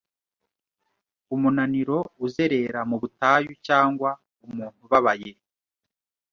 Umunaniro uzerera mu butayuCyangwa umuntu ubabaye